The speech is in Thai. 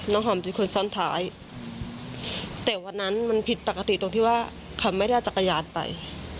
หอมเป็นคนซ้อนท้ายแต่วันนั้นมันผิดปกติตรงที่ว่าเขาไม่ได้เอาจักรยานไป